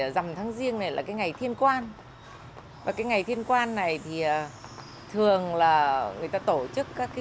rằm tháng riêng được cầu bằng một lễ cúng và các cái sao mà cho những cái người mà năm mấy